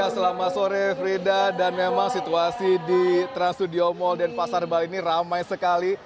selamat sore frida dan memang situasi di trans studio mall dan pasar bali ini ramai sekali